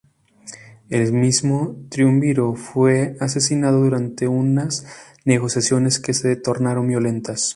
El mismo triunviro fue asesinado durante unas negociaciones que se tornaron violentas.